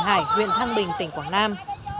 hải huyện thăng bình tỉnh quảng nam